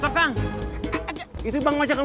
pateng itu bang wajah tempat